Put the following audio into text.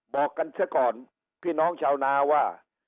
บอกกันเสียก่อนพี่น้องชาวนาว่า